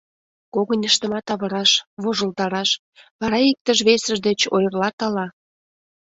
Когыньыштымат авыраш, вожылтараш, вара иктыж-весыж деч ойырлат ала?